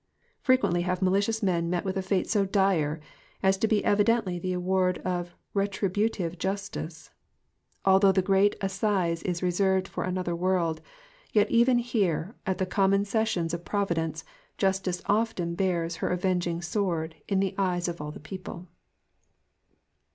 Frequently have malicious men met with a fate so dire as to be evidently the award of retributive justice. Although the ^eat assize is reserved for another world, yet even here, at the common sessions of providence, justice often bares her avenging sword in the eyes of all the people.